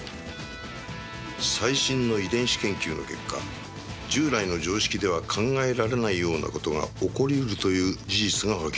「最新の遺伝子研究の結果従来の常識では考えられないような事が起こり得るという事実が明らかになった」